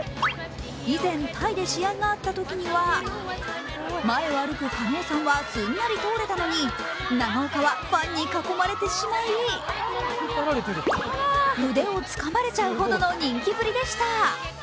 以前、タイで試合があったときには前を歩く狩野さんはすんなり通れたのに長岡はファンに囲まれてしまい腕をつかまれちゃうほどの人気ぶりでした。